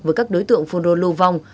với các đối tượng phun rô lô vong